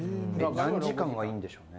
・何時間がいいんでしょうね？